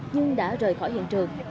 nhưng đã rời khỏi hiện trường